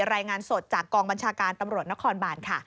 รายงานสดจากกองบัญชาการตำรวจนครบานค่ะ